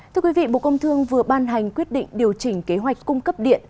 thưa quý vị bộ công thương vừa ban hành quyết định điều chỉnh kế hoạch cung cấp điện